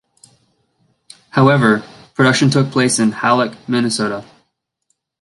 However, production took place in Hallock, Minnesota.